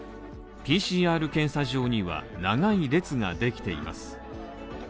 ＰＣＲ検査場には長い列ができています。